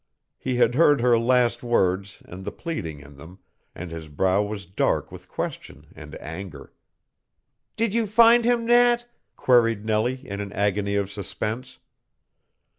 He had heard her last words and the pleading in them, and his brow was dark with question and anger. "Did you find him, Nat?" queried Nellie in an agony of suspense.